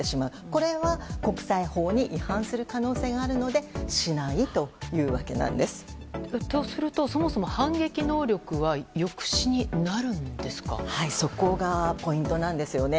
これは国際法に違反する可能性があるのでとすると、そもそもそこがポイントなんですよね。